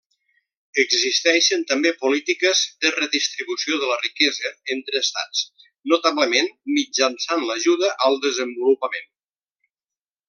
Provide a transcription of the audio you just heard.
Existeixen també polítiques de redistribució de la riquesa entre estats, notablement mitjançant l'ajuda al desenvolupament.